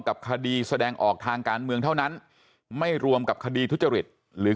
กับคดีแสดงออกทางการเมืองเท่านั้นไม่รวมกับคดีทุจริตหรือ